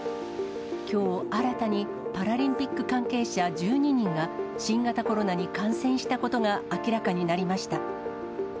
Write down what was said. きょう新たにパラリンピック関係者１２人が、新型コロナに感染したことが明らかになりました。